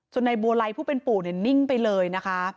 ในบัวไลผู้เป็นปู่นิ่งไปเลยนะคะ